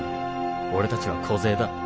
俺たちは小勢だ。